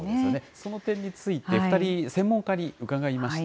その点について２人、専門家に伺いました。